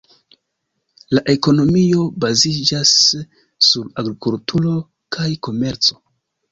La ekonomio baziĝas sur agrikulturo kaj komerco.